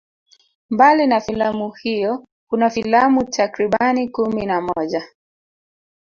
Mbali na filamu hiyo kuna filamu takribani kumi na moja